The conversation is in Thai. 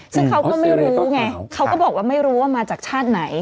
ซึ่งเขาก็ไม่รู้ไงเขาก็บอกว่าไม่รู้ว่ามาจากชาติไหน